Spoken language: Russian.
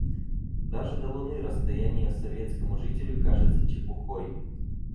Даже до луны расстояние советскому жителю кажется чепухой.